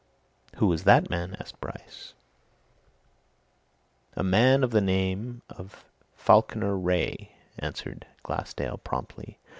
"Who was that man?" asked Bryce. "A man of the name of Falkiner Wraye," answered Glassdale promptly.